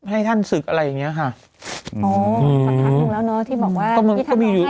ให้ท่านศึกอะไรอย่างนี้ค่ะอ๋ออืมอืมอ๋อที่บอกว่ามันก็มีอยู่